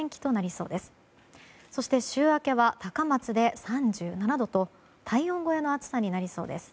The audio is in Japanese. そして、週明けは高松で３７度と体温超えの暑さになりそうです。